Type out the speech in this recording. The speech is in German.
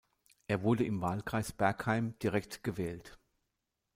Er wurde im Wahlkreis Bergheim direkt gewählt.